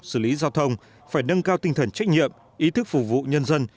xử lý giao thông phải nâng cao tinh thần trách nhiệm ý thức phục vụ nhân dân